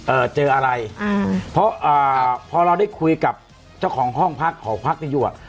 เจออะไรอ่าเพราะอ่าพอเราได้คุยกับเจ้าของห้องพักหอพักนี้อยู่อ่ะ